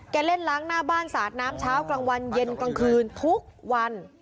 เล่นล้างหน้าบ้านสาดน้ำเช้ากลางวันเย็นกลางคืนทุกวัน